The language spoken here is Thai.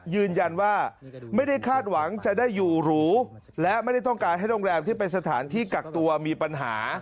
ยืนยันว่าไม่ได้คาดหวังจะได้อยู่หรูและไม่ได้ต้องการให้โรงแรมที่เป็นสถานที่กักตัวมีปัญหา